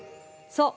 そう。